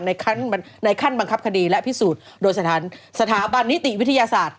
ในขั้นบังคับคดีและพิสูจน์โดยสถานสถาบันนิติวิทยาศาสตร์